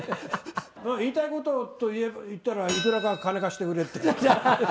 言いたいことといったら、いくらか金貸してくれって。